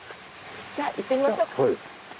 じゃ行ってみましょう。